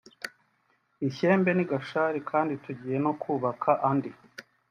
i Shyembe n’i Gashari kandi tugiye no kubaka andi”